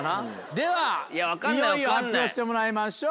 ではいよいよ発表してもらいましょう。